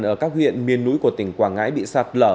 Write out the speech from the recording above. ở các huyện miền núi của tỉnh quảng ngãi bị sạt lở